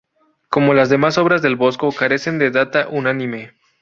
Como las demás obras del Bosco, carece de datación unánime.